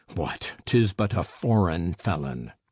What, 'Tis but a foreign felon!